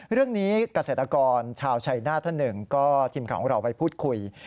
เรื่องนี้เกษตรกรชาวชัยหน้าท่านหนึ่งก็ทีมข่าวของเราไปพูดคุย